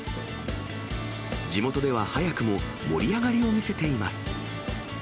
地元では早くも盛り上がりを見せています。